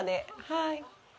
はい。